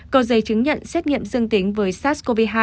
có giấy chứng nhận xét nghiệm dương tính với sars cov hai